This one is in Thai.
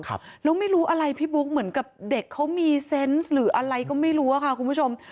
แล้วไม่รู้อะไรพี่บุ๊คเหมือนกับเด็กเขามีเซนต์หรืออะไรก็ไม่รู้อะค่ะคุณผู้ชม